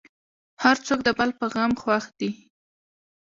هر څوک د بل په غم خوښ دی.